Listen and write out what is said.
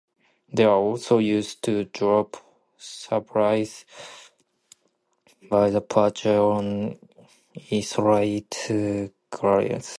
They were also used to drop supplies by parachute on isolated garrisons.